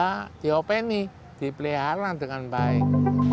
karena diopeni dipelihara dengan baik